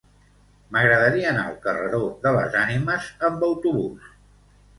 M'agradaria anar al carreró de les Ànimes amb autobús.